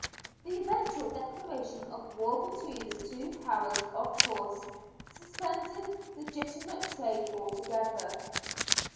The eventual declaration of war between the two powers, of course, suspended legitimate trade altogether.